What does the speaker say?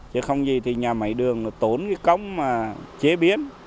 chứ không gì thì nhà máy đường tốn cái công mà chế biến